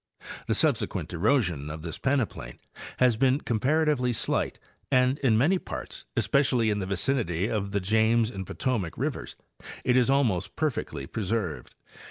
The subse quent erosion of this peneplain has been comparatively slight and in many parts, especially in the vicinity of the James and Potomac rivers, it is almost perfectly preserved.